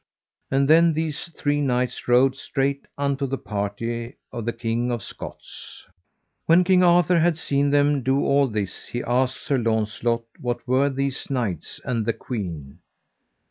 And then these three knights rode straight unto the party of the King of Scots. When King Arthur had seen them do all this he asked Sir Launcelot what were these knights and that queen.